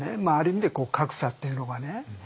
まあある意味で格差っていうのがね